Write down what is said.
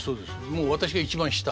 もう私が一番下。